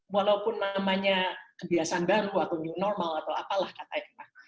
walaupun namanya kebiasaan baru atau new normal atau apalah katanya